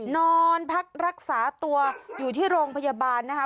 นอนพักรักษาตัวอยู่ที่โรงพยาบาลนะคะ